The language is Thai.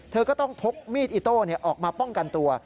เธอก็ต้องพกมีดอิโต้ออกมาป้องกันตัว